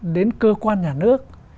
đến cơ quan nhà nước